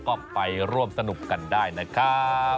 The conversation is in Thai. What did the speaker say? ก็ไปร่วมสนุกกันได้นะครับ